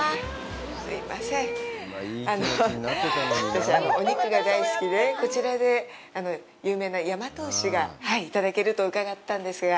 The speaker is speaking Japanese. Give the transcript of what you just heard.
私、お肉が大好きで、こちらで有名な大和牛がいただけると伺ったんですが。